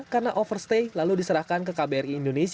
karena mereka tidak memiliki kemampuan untuk memperbaiki perusahaan lanyala